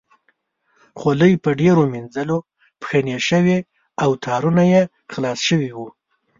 خولۍ په ډېرو مینځلو پښنې شوې او تارونه یې خلاص شوي وو.